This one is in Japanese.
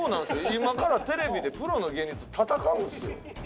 今からテレビでプロの芸人と戦うんですよ。